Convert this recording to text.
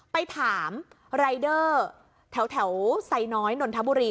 ไปถามรายเดอร์แถวไซน้อยนนทบุรี